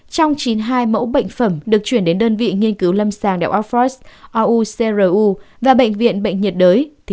trong chín mươi hai mẫu bệnh phẩm được chuyển đến đơn vị nghiên cứu lâm sàng đạo air force rucru và bệnh viện bệnh nhiệt đới